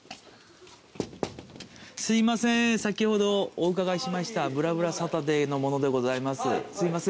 すいません先ほどお伺いしました『ぶらぶらサタデー』の者でございます。